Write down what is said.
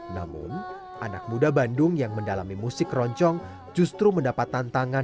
namun anak muda bandung yang mendalami musik keroncong justru mendapat tantangan